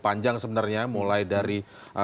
panjang sebenarnya mulai dari